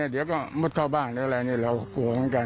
เดี๋ยวก็มดเข้าบ้านหรืออะไรเราก็กลัวเหมือนกัน